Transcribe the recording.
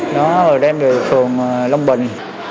đó rồi đem về thường long bình